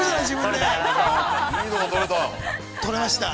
◆撮れました。